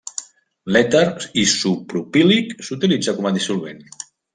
L'èter isopropílic s'utilitza com a dissolvent.